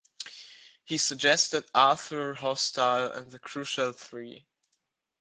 He suggested Arthur Hostile and The Crucial Three.